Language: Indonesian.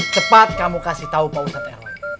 cepat kamu kasih tau pak ustadz rw